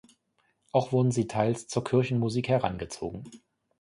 Auch wurden sie teils zur Kirchenmusik herangezogen.